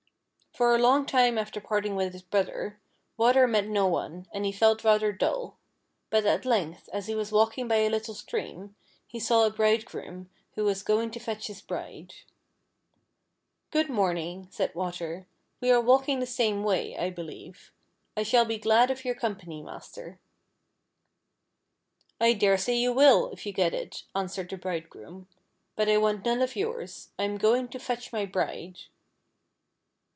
For a long time after parting from his brother, Water FIRE AND IV A TER. 1 1 1 met no one. and he felt rather dull ; but at length, as he was walking b\' a little stream, he saw a Bride groom who was going to fetch his bride. " Good morn ing," ."^aid Water, "we are walking the same wa} , I believe. I shall be glad of } our company, master." " I daresay you will, if you get it," answered the Bridegroom, "but I want none of yours; I am going to fetch my bride."